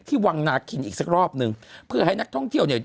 วังนาคินอีกสักรอบหนึ่งเพื่อให้นักท่องเที่ยวเนี่ย